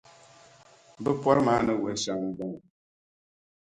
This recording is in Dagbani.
Bɛ pɔri maa ni wuhi shɛm m-bɔŋɔ: